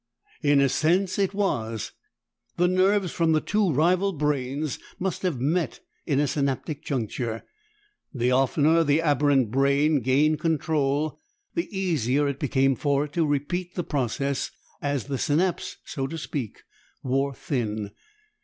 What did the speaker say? "In a sense it was. The nerves from the two rival brains must have met in a synaptic juncture. The oftener the aberrant brain gained control, the easier it became for it to repeat the process, as the synapse, so to speak, wore thin.